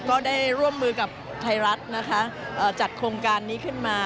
ก็ได้ร่วมมือกับไทยรัฐนะคะจัดโครงการนี้ขึ้นมา